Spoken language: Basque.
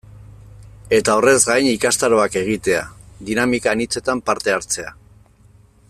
Eta horrez gain ikastaroak egitea, dinamika anitzetan parte hartzea...